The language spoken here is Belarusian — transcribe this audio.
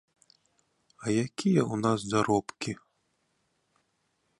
А якія ў нас заробкі?